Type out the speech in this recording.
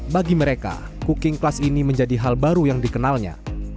bagi mereka cooking class ini menjadi hal baru yang dikenalnya